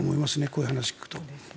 こういう話を聞くと。